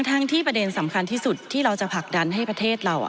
ทั้งที่ประเด็นสำคัญที่สุดที่เราจะผลักดันให้ประเทศเรา